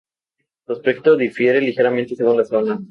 Su aspecto difiere ligeramente según la zona.